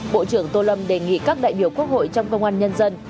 bộ trưởng tô lâm đề nghị các đại biểu quốc hội trong công an nhân dân